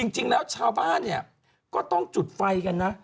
จริงแล้วชาวบ้านเนี่ยก็ต้องจุดไฟกันนะ